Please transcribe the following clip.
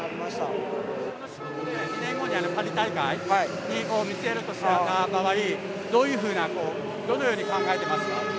この種目で２年後にあるパリ大会を見据えるとした場合どういうふうなこうどのように考えてますか？